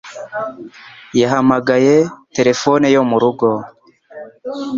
Yahamagaye terefone yo mu rugo